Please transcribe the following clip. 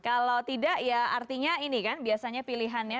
kalau tidak ya artinya ini kan biasanya pilihannya